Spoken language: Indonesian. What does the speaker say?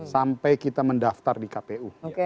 sampai kita mendaftar di kpu